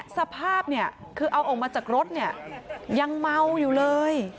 สภาพเนี่ยคือเอาออกมาจากรถเนี่ยยังเมาอยู่เลย